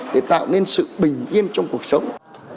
để tạo nên sự bình yên trong cuộc sống